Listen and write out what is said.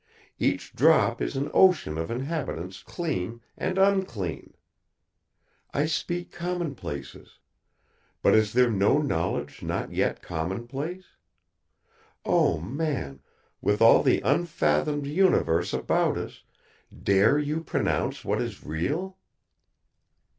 Each drop is an ocean of inhabitants clean and unclean. I speak commonplaces. But is there no knowledge not yet commonplace? Oh man, with all the unfathomed universe about us, dare you pronounce what is real?"